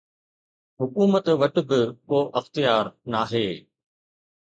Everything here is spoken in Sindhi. حڪومت وٽ به ڪو اختيار ناهي.